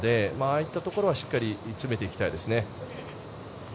あいったところはしっかり詰めていきたいですね。